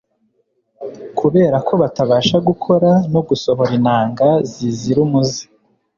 kubera ko batabasha gukora no gusohora intanga zizira umuze.